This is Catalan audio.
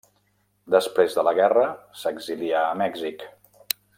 Després de la guerra, s'exilià a Mèxic.